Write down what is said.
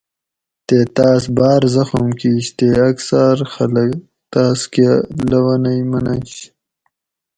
تے تاۤس باۤر زخم کِیش تے اکثاۤر خلق تاۤس کہ لونئ مننش